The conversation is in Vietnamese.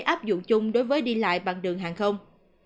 áp dụng chung đối với đi lại bằng đường hàng không